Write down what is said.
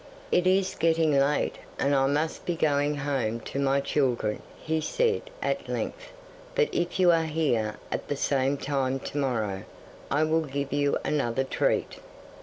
'It is getting late, and I must be going home to my children,' he said, at length, 'but if you are here at the same time to morrow I will give you another treat.